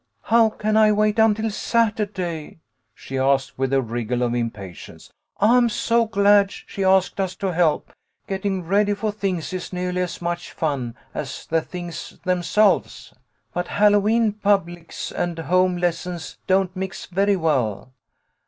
" How can I wait until Saturday ?" she asked, with a wriggle of impatience. "I'm so glad she asked us to help. Getting ready for things is nearly as much fun as the things themselves. But Hal lowe'en publics and home lessons don't mix very well.